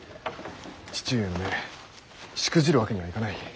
父上の命しくじるわけにはいかない。